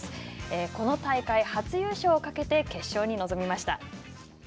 この大会初優勝をかけて決勝に臨みました。